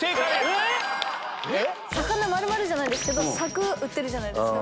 えっ⁉魚丸々じゃないんですけど柵売ってるじゃないですか。